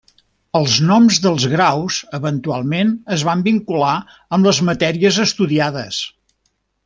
Els noms dels graus eventualment es van vincular amb les matèries estudiades.